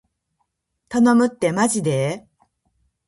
頼むってーまじで